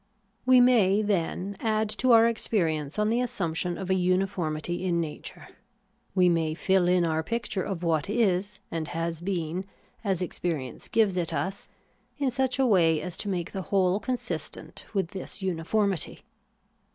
We may, then, add to our experience on the assump tion of a uniformity in nature ; we may fill in our picture of what is and has been, as experience gives it us, in such a way as to make the whole consistent with this uniformity.